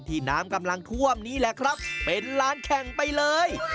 น้ำกำลังท่วมนี้แหละครับเป็นร้านแข่งไปเลย